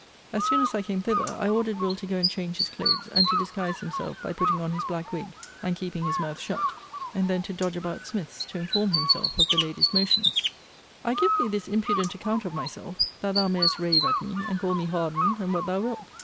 As soon as I came thither, I ordered Will. to go and change his clothes, and to disguise himself by putting on his black wig, and keeping his mouth shut; and then to dodge about Smith's, to inform himself of the lady's motions. I give thee this impudent account of myself, that thou mayest rave at me, and call me hardened, and what thou wilt.